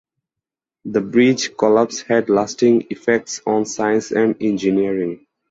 The bridge collapse had lasting effects on science and engineering.